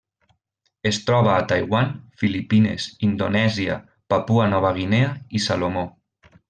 Es troba a Taiwan, Filipines, Indonèsia, Papua Nova Guinea i Salomó.